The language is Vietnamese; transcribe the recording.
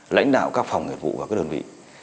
lãnh đạo các phòng nghiệp vụ và các đơn vị